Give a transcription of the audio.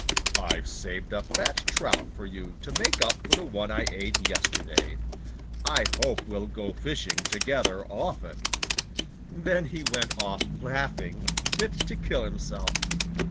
"I've saved a fat trout for you to make up for the one I ate yesterday. I hope we'll go fishing together often." Then he went off laughing fit to kill himself.